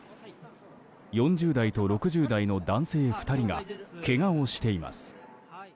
４０代と６０代の男性２人がけがをしています。